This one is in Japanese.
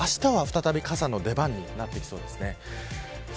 あしたは再び傘の出番になってきそうです。